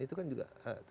itu kan juga